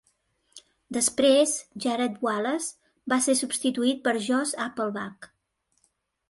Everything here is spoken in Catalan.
Després Jared Wallace va ser substituït per Josh Applebach.